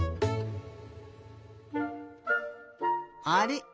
あれ？